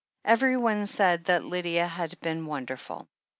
Everyone said that Lydia had been wonderful.